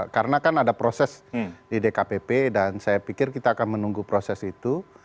karena kan ada proses di dkpp dan saya pikir kita akan menunggu proses itu